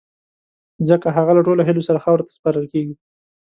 ځڪه هغه له ټولو هیلو سره خاورو ته سپارل کیږی